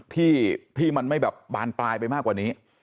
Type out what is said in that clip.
ที่มันไม่แบบบานปลายไปมากกว่านี้